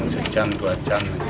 sejam dua jam nanti